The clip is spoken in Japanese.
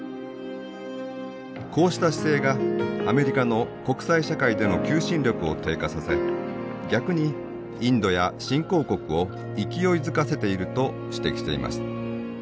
こうした姿勢がアメリカの国際社会での求心力を低下させ逆にインドや新興国を勢いづかせていると指摘しています。